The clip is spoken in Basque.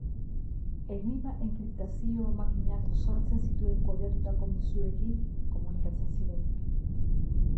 Enigma enkriptazio makinak sortzen zituen kodetutako mezuekin komunikatzen ziren.